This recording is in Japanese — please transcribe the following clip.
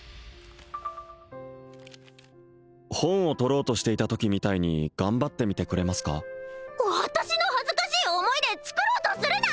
本を取ろうとしていたときみたいに頑張ってみてくれますか私の恥ずかしい思い出作ろうとするな！